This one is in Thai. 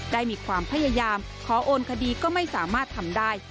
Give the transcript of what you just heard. ได้มีความพยายามขอโอนคดีก็ไม่สามารถทำได้